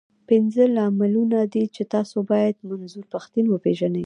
پنځه لاملونه دي، چې تاسو بايد منظور پښتين وپېژنئ.